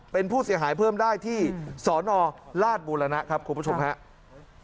เป็นผู้เสียหายเพิ่มได้ที่สนราชบูรณะครับคุณผู้ชมครับ